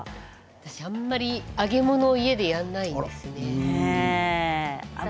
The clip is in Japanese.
私あんまり揚げ物を家でやらないんですよね。